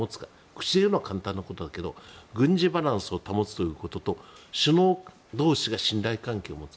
口で言うのは簡単だけど軍事バランスを保つということと首脳同士が信頼関係を持つ。